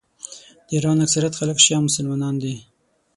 د ایران اکثریت خلک شیعه مسلمانان دي.